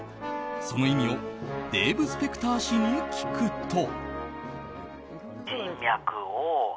その意味をデーブ・スペクター氏に聞くと。